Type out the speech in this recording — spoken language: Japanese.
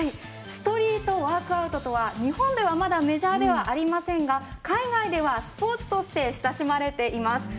ストリートワークアウトは日本ではまだメジャーではありませんが海外ではスポーツとして親しまれています。